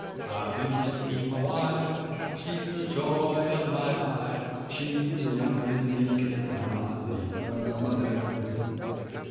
"I have been to see my wife, She's the joy of my life, She's a young thing, and cannot leave her mother!"